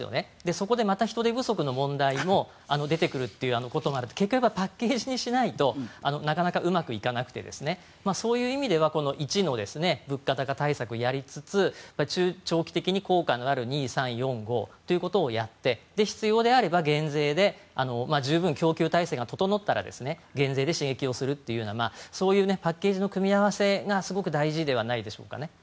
そこでまた人手不足の問題も出てくるということもあって結局はパッケージにしないとなかなかうまくいかなくてそういう意味では１の物価高対策をやりつつ中長期的に効果のある２、３、４、５をやって必要であれば減税で十分供給体制が整ったら減税で刺激をするというようなパッケージの組み合わせがすごく大事ではないでしょうかね。